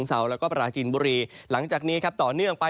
โดยคิดว่ามีฝนตกอย่างต่อเนื่อง